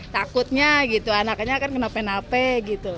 takutnya gitu anaknya kan kenapain napain gitu